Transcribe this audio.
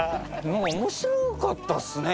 面白かったっすね